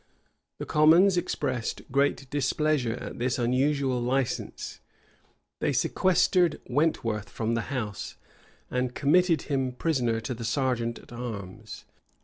The commons expressed great displeasure at this unusual license; they sequestered Wentworth from the house, and committed him prisoner to the serjeant at arms.